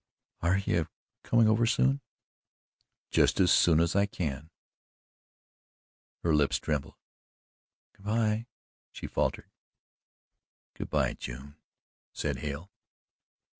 "You are coming over soon?" "Just as soon as I can." Her lips trembled. "Good by," she faltered. "Good by, June," said Hale.